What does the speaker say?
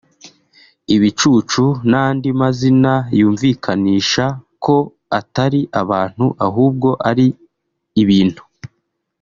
ibicucu n’andi mazina yumvikanisha ko atari abantu ahubwo ari ibintu